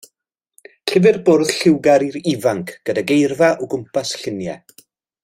Llyfr bwrdd lliwgar i'r ifanc gyda geirfa o gwmpas y lluniau.